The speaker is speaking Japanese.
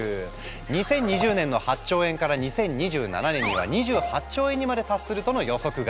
２０２０年の８兆円から２０２７年には２８兆円にまで達するとの予測が！